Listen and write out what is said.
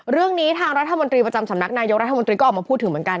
เรื่องนี้ทางรัฐมนตรีประจำสำนักนายกรัฐมนตรีก็ออกมาพูดถึงเหมือนกัน